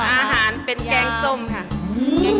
อาหารเป็นแกงส้มค่ะ